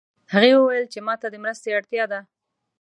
هغې وویل چې ما ته د مرستې اړتیا ده